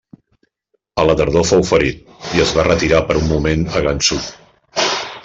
A la tardor fou ferit i es va retirar per un moment a Gansu.